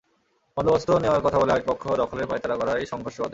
বন্দোবস্ত নেওয়ার কথা বলে আরেক পক্ষ দখলের পাঁয়তারা করায় সংঘর্ষ বাধে।